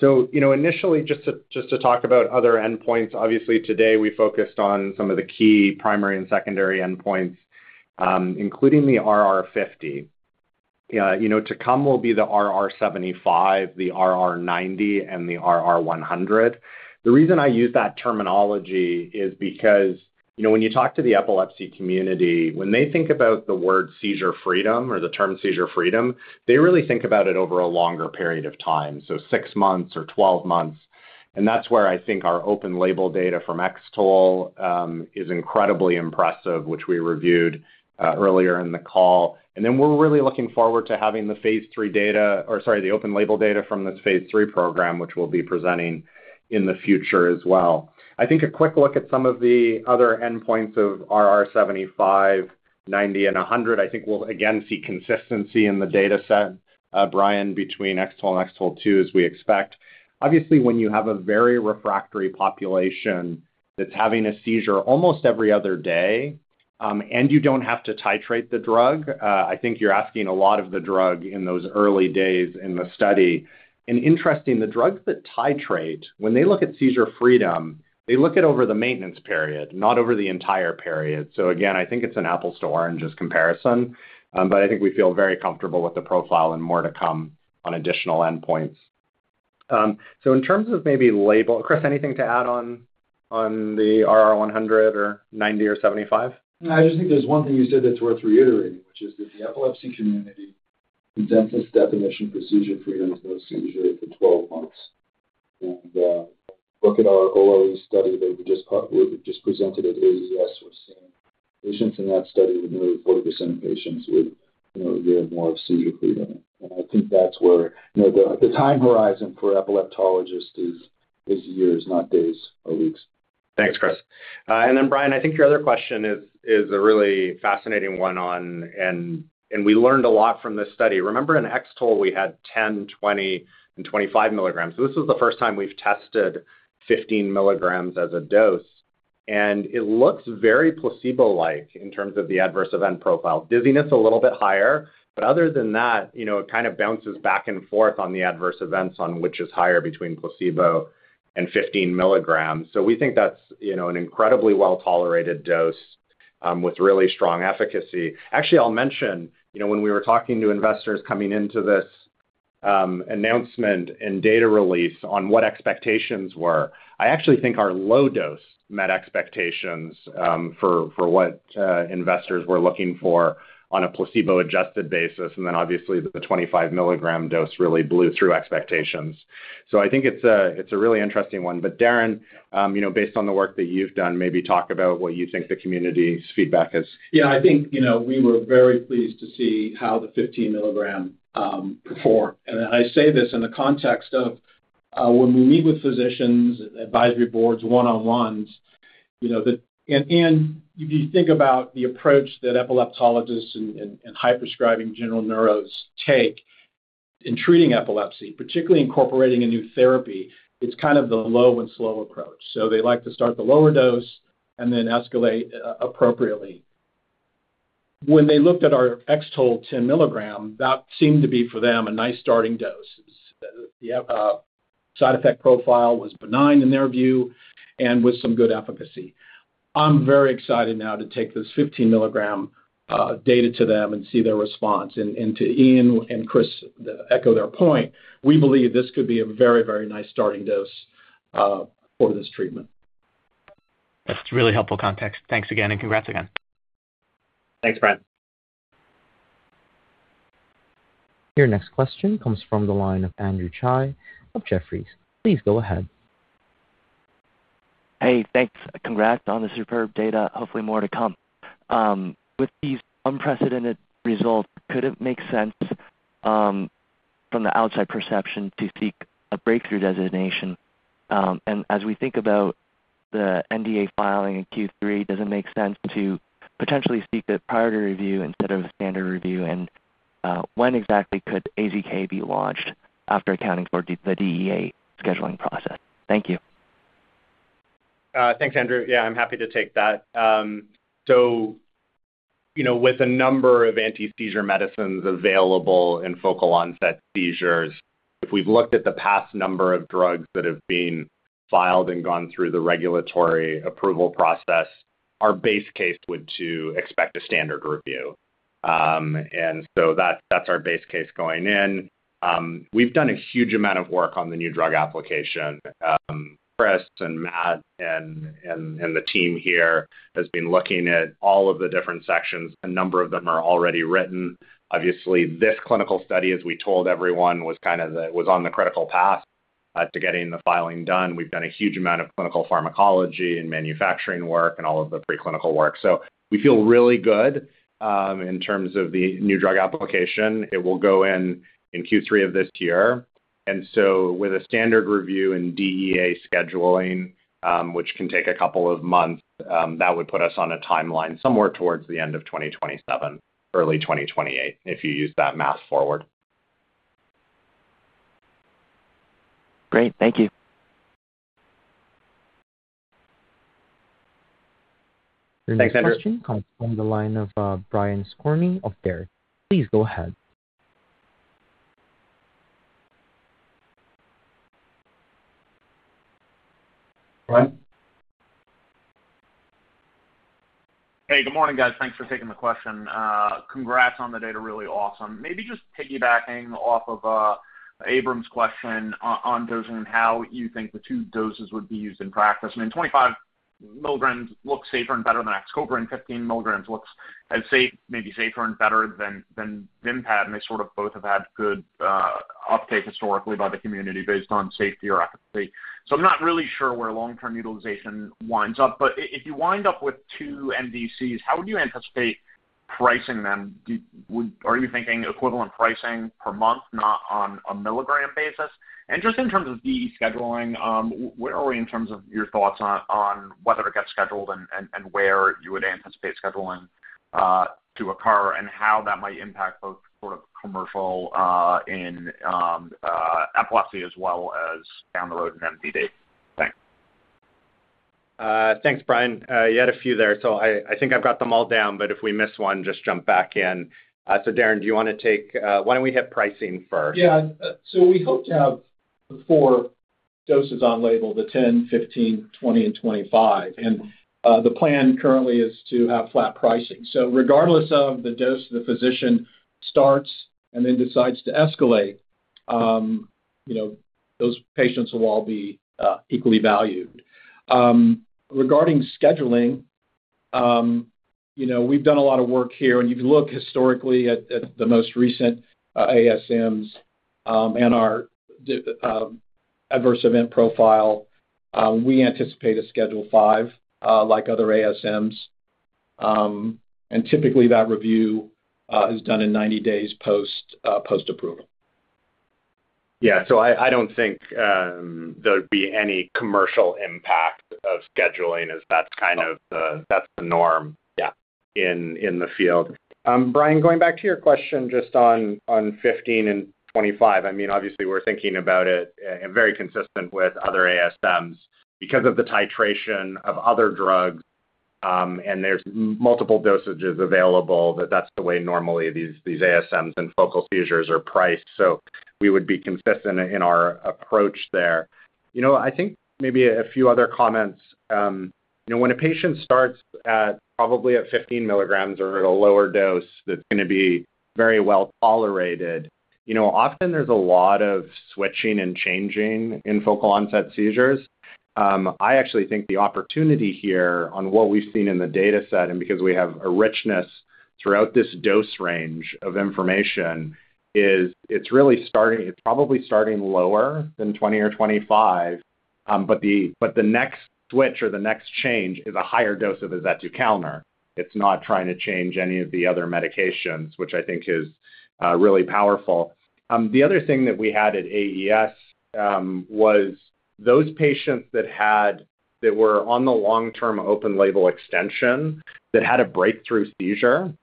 You know, initially, just to talk about other endpoints, obviously today we focused on some of the key primary and secondary endpoints, including the RR50. You know, to come will be the RR75, the RR90, and the RR100. The reason I use that terminology is because, you know, when you talk to the epilepsy community, when they think about the word seizure freedom or the term seizure freedom, they really think about it over a longer period of time, so six months or 12 months. That's where I think our open label data from X-TOLE is incredibly impressive, which we reviewed earlier in the call. Then we're really looking forward to having the open label data from this phase III program, which we'll be presenting in the future as well. I think a quick look at some of the other endpoints of RR75, 90, and 100, I think we'll again see consistency in the dataset, Brian, between X-TOLE and X-TOLE-2, as we expect. Obviously, when you have a very refractory population that's having a seizure almost every other day, and you don't have to titrate the drug, I think you're asking a lot of the drug in those early days in the study. Interesting, the drugs that titrate when they look at seizure freedom, they look at over the maintenance period, not over the entire period. Again, I think it's an apples to oranges comparison. I think we feel very comfortable with the profile and more to come on additional endpoints. In terms of maybe label-- Chris, anything to add on the RR100 or RR90 or RR75? No, I just think there's one thing you said that's worth reiterating, which is that the epilepsy community consensus definition for seizure freedom is no seizure for 12 months. Look at our OLE study that we just presented at AES. We're seeing patients in that study, nearly 40% of patients with, you know, a year or more of seizure freedom. I think that's where, you know, the time horizon for epileptologists is years, not days or weeks. Thanks, Chris. Brian, I think your other question is a really fascinating one on... we learned a lot from this study. Remember in X-TOLE, we had 10, 20, and 25 milligrams. This is the first time we've tested 15 milligrams as a dose, and it looks very placebo-like in terms of the adverse event profile. Dizziness a little bit higher, but other than that, you know, it kind of bounces back and forth on the adverse events on which is higher between placebo and 15 milligrams. We think that's, you know, an incredibly well-tolerated dose with really strong efficacy. Actually, I'll mention, you know, when we were talking to investors coming into this, announcement and data release on what expectations were, I actually think our low dose met expectations, for what investors were looking for on a placebo-adjusted basis. Obviously, the 25 milligram dose really blew through expectations. I think it's a, it's a really interesting one. Darren, you know, based on the work that you've done, maybe talk about what you think the community's feedback is. Yeah, I think, you know, we were very pleased to see how the 15 milligram performed. I say this in the context of when we meet with physicians, advisory boards, one-on-ones, you know, if you think about the approach that epileptologists and high-prescribing general neuros take in treating epilepsy, particularly incorporating a new therapy, it's kind of the low and slow approach. They like to start the lower dose and then escalate appropriately. When they looked at our X-TOLE 10 milligram, that seemed to be for them a nice starting dose. The side effect profile was benign in their view and with some good efficacy. I'm very excited now to take this 15 milligram data to them and see their response. To Ian and Chris, echo their point, we believe this could be a very, very nice starting dose for this treatment. That's really helpful context. Thanks again and congrats again. Thanks, Brian. Your next question comes from the line of Andrew Tsai of Jefferies. Please go ahead. Hey, thanks. Congrats on the superb data. Hopefully more to come. With these unprecedented results, could it make sense from the outside perception to seek a breakthrough designation? As we think about the NDA filing in Q3, does it make sense to potentially seek a priority review instead of a standard review? When exactly could AZK be launched after accounting for the DEA scheduling process? Thank you. Thanks, Andrew. Yeah, I'm happy to take that. You know, with a number of anti-seizure medicines available in focal onset seizures, if we've looked at the past number of drugs that have been filed and gone through the regulatory approval process, our base case would to expect a standard review. That's our base case going in. We've done a huge amount of work on the new drug application. Chris and Matt and the team here has been looking at all of the different sections. A number of them are already written. Obviously, this clinical study, as we told everyone, was on the critical path to getting the filing done. We've done a huge amount of clinical pharmacology and manufacturing work and all of the preclinical work. We feel really good in terms of the new drug application. It will go in in Q3 of this year. With a standard review in DEA scheduling, which can take two months, that would put us on a timeline somewhere towards the end of 2027, early 2028, if you use that math forward. Great. Thank you. Thanks, Andrew. The next question comes from the line of Brian Skorney of Baird. Please go ahead. Brian? Hey, good morning, guys. Thanks for taking the question. Congrats on the data. Really awesome. Maybe just piggybacking off of Abrahams' question on dosing and how you think the two doses would be used in practice. I mean, 25 milligrams looks safer and better than XCOPRI, and 15 milligrams looks as safe, maybe safer and better than Vimpat, and they sort of both have had good uptake historically by the community based on safety or efficacy. I'm not really sure where long-term utilization winds up. If you wind up with two NDCs, how would you anticipate pricing them? Are you thinking equivalent pricing per month, not on a milligram basis? Just in terms of DEA scheduling, where are we in terms of your thoughts on whether it gets scheduled and where you would anticipate scheduling to occur and how that might impact both sort of commercial in epilepsy as well as down the road in MDD? Thanks. Thanks, Brian. You had a few there, so I think I've got them all down, but if we miss one, just jump back in. Darren, do you want to take... Why don't we hit pricing first? We hope to have the four doses on label, the 10, 15, 20, and 25. The plan currently is to have flat pricing. Regardless of the dose the physician starts and then decides to escalate, you know, those patients will all be equally valued. Regarding scheduling, you know, we've done a lot of work here, and you can look historically at the most recent ASMs and our adverse event profile. We anticipate a Schedule V like other ASMs. Typically, that review is done in 90 days post post-approval. Yeah. I don't think there'd be any commercial impact of scheduling as that's kind of the, that's the norm- Yeah. In the field. Brian, going back to your question just on 15 and 25. I mean, obviously, we're thinking about it and very consistent with other ASMs. Because of the titration of other drugs, and there's multiple dosages available, that's the way normally these ASMs and focal seizures are priced. We would be consistent in our approach there. You know, I think maybe a few other comments. You know, when a patient starts at probably at 15 milligrams or at a lower dose that's going to be very well tolerated, you know, often there's a lot of switching and changing in focal onset seizures. I actually think the opportunity here on what we've seen in the data set and because we have a richness throughout this dose range of information is it's really starting lower than 20 or 25, but the next switch or the next change is a higher dose of azetukalner. It's not trying to change any of the other medications, which I think is really powerful. The other thing that we had at AES was those patients that were on the long-term open label extension that had a breakthrough seizure,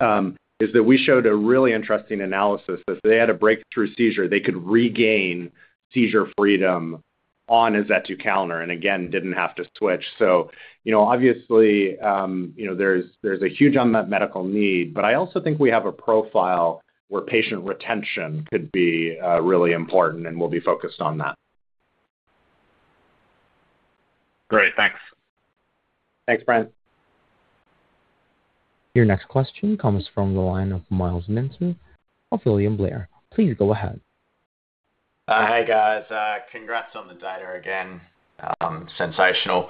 is that we showed a really interesting analysis that if they had a breakthrough seizure, they could regain seizure freedom on azetukalner and again didn't have to switch. You know, obviously, you know, there's a huge unmet medical need. I also think we have a profile where patient retention could be really important, and we'll be focused on that. Great. Thanks. Thanks, Brian. Your next question comes from the line of Myles Minter of William Blair. Please go ahead. Hey, guys. Congrats on the data again. Sensational.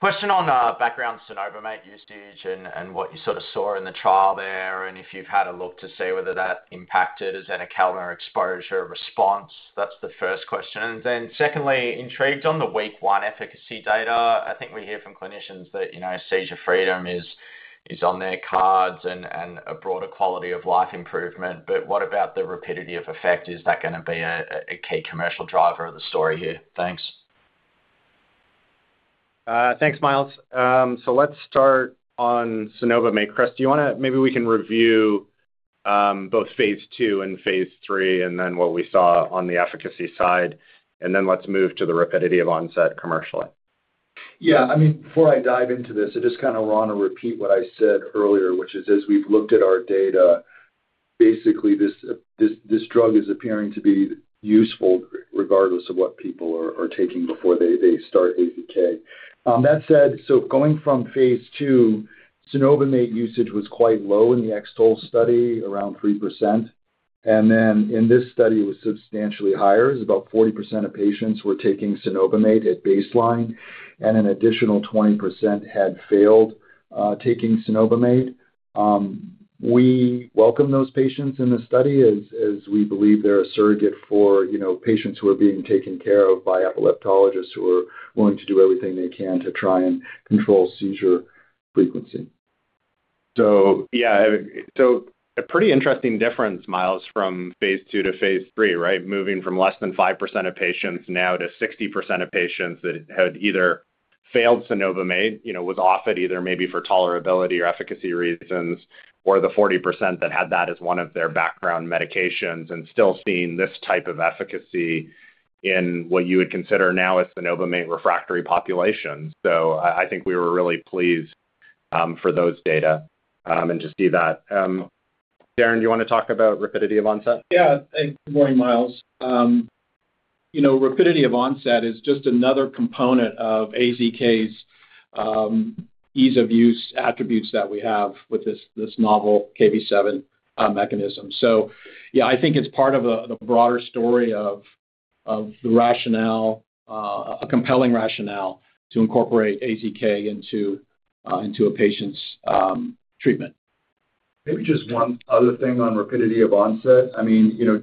Question on background cenobamate usage and what you sort of saw in the trial there and if you've had a look to see whether that impacted azetukalner exposure response. That's the first question. Secondly, intrigued on the week 1 efficacy data. I think we hear from clinicians that, you know, seizure freedom is on their cards and a broader quality of life improvement. What about the rapidity of effect? Is that going to be a key commercial driver of the story here? Thanks. Thanks, Myles. Let's start on cenobamate. Chris, Maybe we can review both phase II and phase III and then what we saw on the efficacy side, and then let's move to the rapidity of onset commercially. Yeah. I mean, before I dive into this, I just kind of want to repeat what I said earlier, which is as we've looked at our data, basically this drug is appearing to be useful regardless of what people are taking before they start AZK. That said, going from phase two, cenobamate usage was quite low in the X-TOLE study, around 3%. In this study, it was substantially higher. It was about 40% of patients were taking cenobamate at baseline, and an additional 20% had failed taking cenobamate. We welcome those patients in the study as we believe they're a surrogate for, you know, patients who are being taken care of by epileptologists who are willing to do everything they can to try and control seizure frequency. Yeah. a pretty interesting difference, Myles, from phase two to phase three, right? Moving from less than 5% of patients now to 60% of patients that had either failed cenobamate, you know, was off it either maybe for tolerability or efficacy reasons, or the 40% that had that as one of their background medications and still seeing this type of efficacy in what you would consider now as cenobamate refractory populations. I think we were really pleased for those data and to see that. Darren, do you wanna talk about rapidity of onset? Yeah. Thanks. Good morning, Myles. You know, rapidity of onset is just another component of AZK's ease of use attributes that we have with this novel Kv7 mechanism. Yeah, I think it's part of the broader story of the rationale, a compelling rationale to incorporate AZK into a patient's treatment. Maybe just one other thing on rapidity of onset. I mean, you know,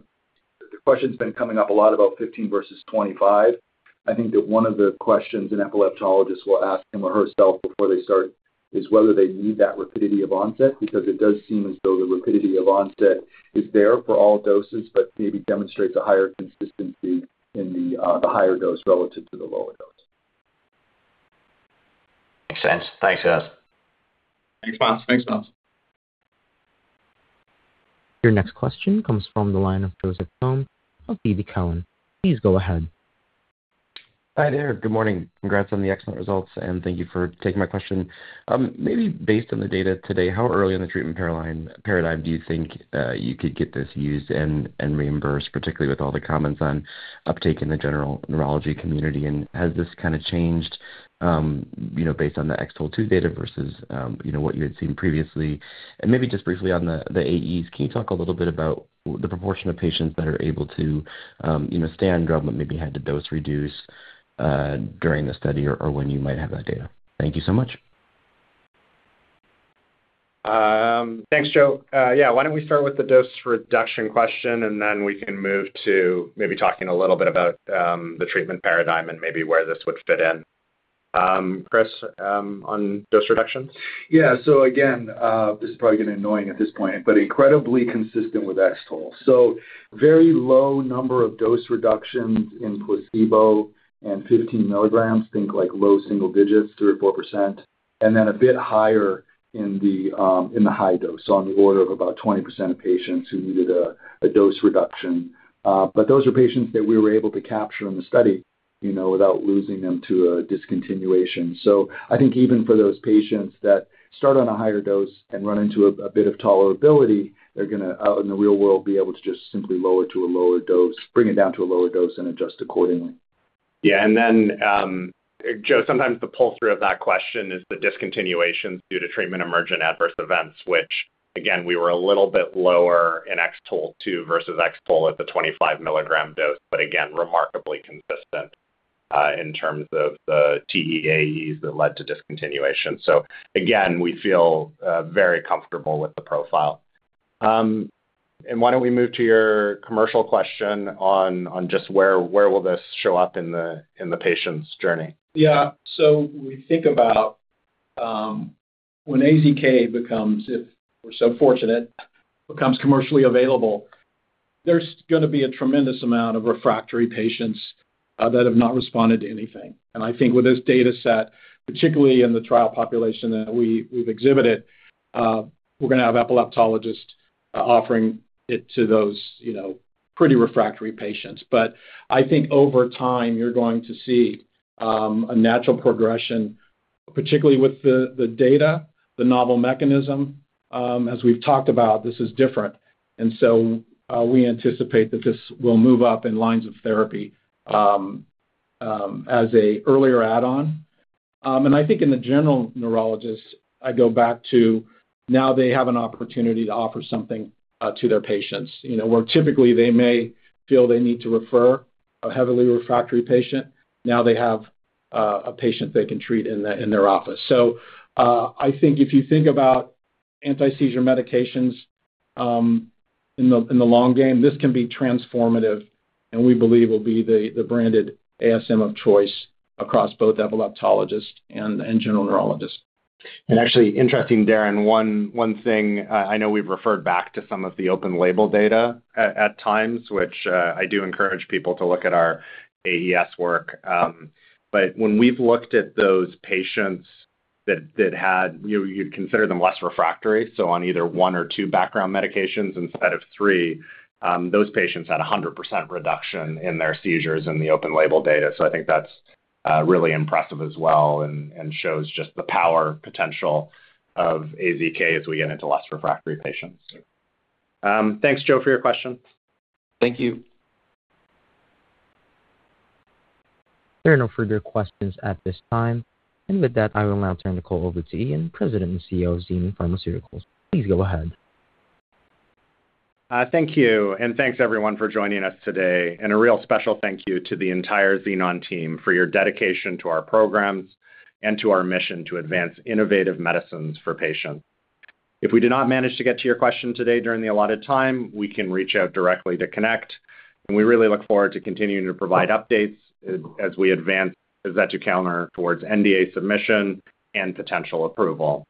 the question's been coming up a lot about 15 versus 25. I think that one of the questions an epileptologist will ask him or herself before they start is whether they need that rapidity of onset because it does seem as though the rapidity of onset is there for all doses, but maybe demonstrates a higher consistency in the higher dose relative to the lower dose. Makes sense. Thanks, guys. Thanks, Myles. Your next question comes from the line of Joseph Thome of TD Cowen. Please go ahead. Hi there. Good morning. Congrats on the excellent results, and thank you for taking my question. Maybe based on the data today, how early in the treatment paradigm do you think you could get this used and reimbursed, particularly with all the comments on uptake in the general neurology community? Has this kinda changed, you know, based on the X-TOLE2 data versus, you know, what you had seen previously? Maybe just briefly on the AEs, can you talk a little bit about the proportion of patients that are able to, you know, stay on drug but maybe had to dose reduce during the study or when you might have that data? Thank you so much. Thanks, Joe. Yeah. Why don't we start with the dose reduction question, and then we can move to maybe talking a little bit about the treatment paradigm and maybe where this would fit in. Chris, on dose reductions? Yeah. Again, this is probably getting annoying at this point, but incredibly consistent with X-TOLE. very low number of dose reductions in placebo and 15 milligrams, think like low single digits, 3% or 4%, a bit higher in the high dose, on the order of about 20% of patients who needed a dose reduction. Those are patients that we were able to capture in the study, you know, without losing them to a discontinuation. I think even for those patients that start on a higher dose and run into a bit of tolerability, they're gonna, out in the real world, be able to just simply bring it down to a lower dose and adjust accordingly. Yeah. Joe, sometimes the pull-through of that question is the discontinuation due to treatment emergent adverse events, which again, we were a little bit lower in X-TOLE2 versus X-TOLE at the 25 milligram dose, remarkably consistent, in terms of the TEAEs that led to discontinuation. We feel very comfortable with the profile. Why don't we move to your commercial question on just where will this show up in the, in the patient's journey? Yeah. We think about, when AZK becomes, if we're so fortunate, becomes commercially available, there's gonna be a tremendous amount of refractory patients, that have not responded to anything. I think with this data set, particularly in the trial population that we've exhibited, we're gonna have epileptologists, offering it to those, you know, pretty refractory patients. I think over time, you're going to see, a natural progression, particularly with the data, the novel mechanism. As we've talked about, this is different. We anticipate that this will move up in lines of therapy, as a earlier add-on. I think in the general neurologists, I go back to now they have an opportunity to offer something, to their patients. You know, where typically they may feel they need to refer a heavily refractory patient, now they have a patient they can treat in their office. I think if you think about anti-seizure medications in the long game, this can be transformative, and we believe will be the branded ASM of choice across both epileptologists and general neurologists. Actually, interesting, Darren, one thing, I know we've referred back to some of the open label data at times, which, I do encourage people to look at our AES work. When we've looked at those patients that had, you'd consider them less refractory, so on either one or two background medications instead of three, those patients had a 100% reduction in their seizures in the open label data. I think that's really impressive as well and shows just the power potential of AZK as we get into less refractory patients. Thanks, Joe, for your question. Thank you. There are no further questions at this time. With that, I will now turn the call over to Ian, President and CEO of Xenon Pharmaceuticals. Please go ahead. Thank you. Thanks everyone for joining us today. A real special thank you to the entire Xenon team for your dedication to our programs and to our mission to advance innovative medicines for patients. If we did not manage to get to your question today during the allotted time, we can reach out directly to connect, and we really look forward to continuing to provide updates as we advance azetukalner towards NDA submission and potential approval.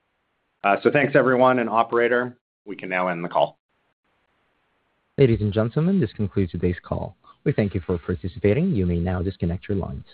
Thanks everyone and operator. We can now end the call. Ladies and gentlemen, this concludes today's call. We thank you for participating. You may now disconnect your lines.